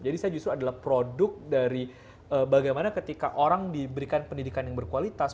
jadi saya justru adalah produk dari bagaimana ketika orang diberikan pendidikan yang berkualitas